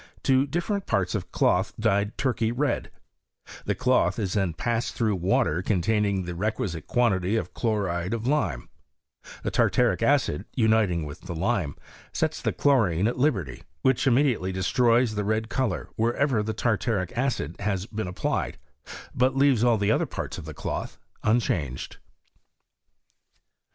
to different parts of cloth dyed Turkey red ; the cloth is then passed throng water containing the requisite quantity of chloride of lime: the tartaric acid, uniiing with the lime, sets the chlorine at liberty, which immediatelv destroys the red colour wherever the tartaric acid has been ap plied, but leaves all die other parts of the cloth un changed.